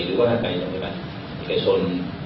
หรือว่าถ้าไปโรงพยาบาลอิกาชน